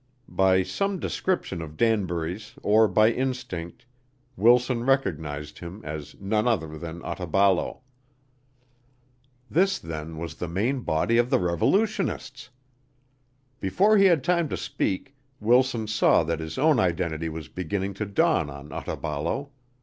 By some description of Danbury's or by instinct, Wilson recognized him as none other than Otaballo. This then was the main body of the Revolutionists! Before he had time to speak Wilson saw that his own identity was beginning to dawn on Otaballo.